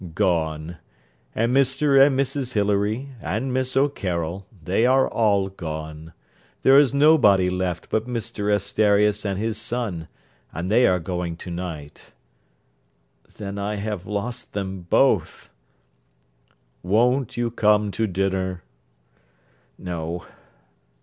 'Gone. And Mr and Mrs Hilary, and Miss O'Carroll: they are all gone. There is nobody left but Mr Asterias and his son, and they are going to night.' 'Then I have lost them both.' 'Won't you come to dinner?' 'No.'